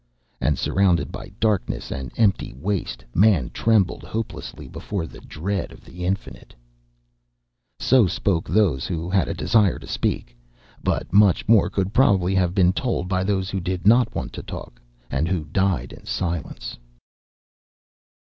_ And surrounded by Darkness and Empty Waste, Man trembled hopelessly before the dread of the Infinite. So spoke those who had a desire to speak. But much more could probably have been told by those who did not want to talk, and who died in silence.